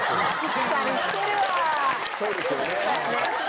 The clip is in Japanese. そうですよね。